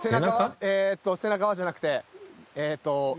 えっと「背中は」じゃなくてえっと。